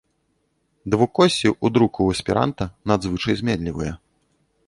Двукоссі ў друку ў эсперанта надзвычай зменлівыя.